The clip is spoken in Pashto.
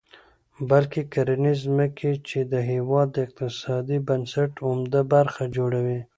بلکې کرنیزې ځمکې، چې د هېواد د اقتصادي بنسټ عمده برخه جوړوي.